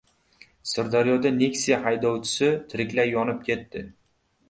Sirdaryoda "Nexia" haydovchisi tiriklay yonib ketdi